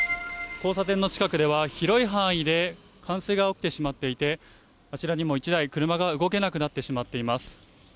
交差点の近くでは広い範囲で冠水が起きてしまっていて、あちらにも１台、車が動けなくなってしまっています。